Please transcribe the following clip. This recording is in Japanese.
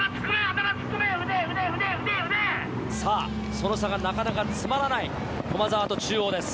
その差が、なかなか詰まらない駒澤と中央です。